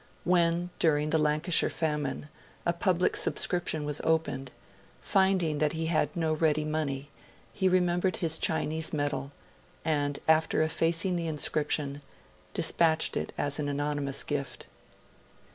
When, during the Lancashire famine, a public subscription was opened, finding that he had no ready money, he remembered his Chinese medal, and, after effacing the inscription, dispatched it as an anonymous gift.